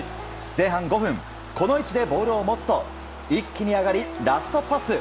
前半５分この位置でボールを持つと一気に上がり、ラストパス。